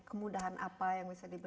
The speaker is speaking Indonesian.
kemudahan apa yang bisa diberikan